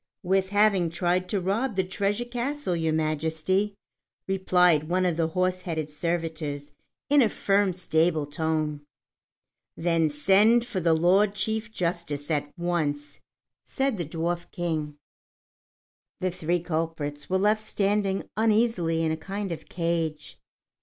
"With having tried to rob the treasure castle, Your Majesty," replied one of the horse headed servitors in a firm, stable tone. "Then send for the Lord Chief Justice at once," said the Dwarf King. The three culprits were left standing uneasily in a kind of cage.